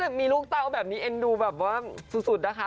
ทุกคนมีลูกเต้าแบบนี้เอ็นดูบรับสุดนะคะ